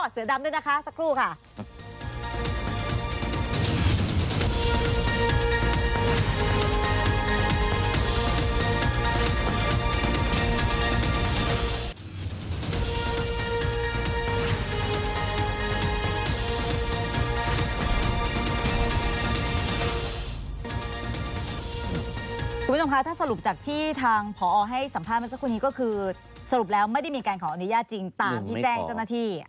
เสือดำด้วยนะคะ